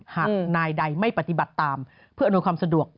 หากนายใดไม่ปฏิบัติตามเพื่ออำนวยความสะดวก